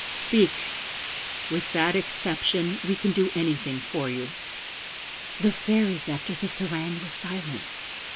Speak; with that exception we can do anything for you.' "The Fairies, after this harangue, were silent.